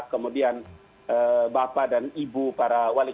kemudian bapak dan ibu para wali kota